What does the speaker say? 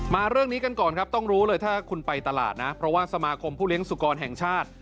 เรื่องนี้กันก่อนครับต้องรู้เลยถ้าคุณไปตลาดนะเพราะว่าสมาคมผู้เลี้ยสุกรแห่งชาติ